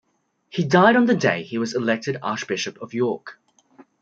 He died on the day he was elected Archbishop of York.